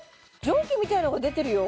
蒸気みたいなのが出てるよ